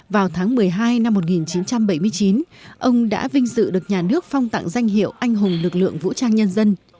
vào tháng một mươi hai năm một nghìn chín trăm bảy mươi chín ông đã vinh dự được nhà nước phong tặng danh hiệu anh hùng lực lượng vũ trang nhân dân